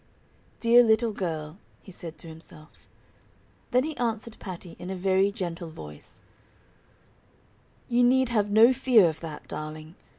"Dear little girl," he said to himself. Then he answered Patty in a very gentle voice: "You need have no fear of that, darling.